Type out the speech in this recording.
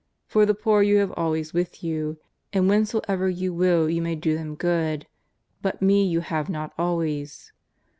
For the poor you have always with you, and whenso ever you will you may do them good, but Me you have not always.